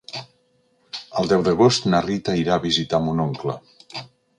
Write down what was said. El deu d'agost na Rita irà a visitar mon oncle.